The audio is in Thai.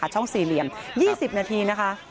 ช่องสี่เหลี่ยม๒๐นาทีนะคะ